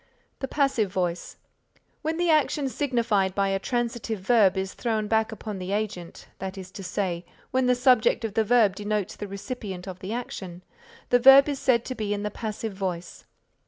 The passive voice: When the action signified by a transitive verb is thrown back upon the agent, that is to say, when the subject of the verb denotes the recipient of the action, the verb is said to be in the passive voice.